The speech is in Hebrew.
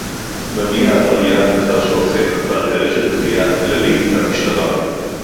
מגיע העבריין לאחר שהוא אכן נפל ברשת התביעה הכללית והמשטרה